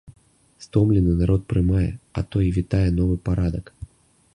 Стомлены народ прымае, а то і вітае новы парадак.